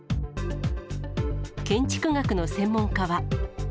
建築学の専門家は。